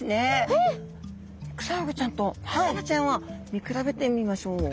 クサフグちゃんとマサバちゃんを見比べてみましょう。